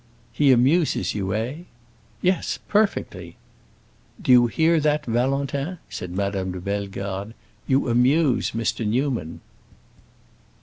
"He amuses you, eh?" "Yes, perfectly." "Do you hear that, Valentin?" said Madame de Bellegarde. "You amuse Mr. Newman."